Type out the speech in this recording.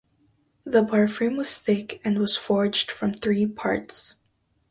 The bar frame was thick and was forged from three parts.